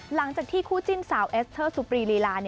หลังจากที่คู่จิ้นสาวเอสเตอร์สุปรีลีลา